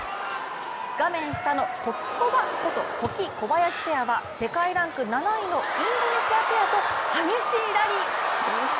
画面下のホキコバこと保木・小林ペアは世界ランク７位のインドネシアペアと激しいラリー。